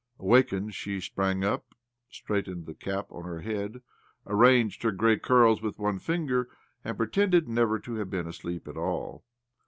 Awakened, she sprang up, straightened the cap on her head, arranged hter grey curls with one finger, and pretended never to have been to sleep at all